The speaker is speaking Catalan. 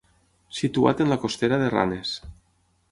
Situat en la costera de Ranes.